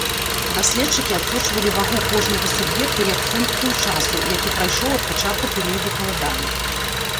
Даследчыкі адсочвалі вагу кожнага суб'екта як функцыю часу, які прайшоў ад пачатку перыяду галадання.